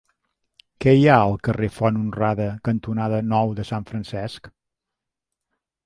Què hi ha al carrer Font Honrada cantonada Nou de Sant Francesc?